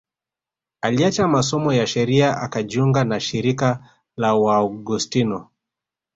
Aliacha masomo ya sheria akajiunga na shirika la Waaugustino